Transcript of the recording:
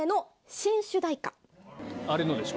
あれのでしょ？